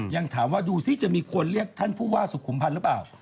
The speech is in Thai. ยังถามว่าดูสิจะมีคนเรียกท่านผู้ว่าสุขุมพันธ์หรือเปล่า